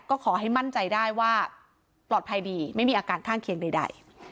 ก็ขอให้มั่นใจได้ว่าปลอดภัยดีไม่มีอาการข้างเคียงใด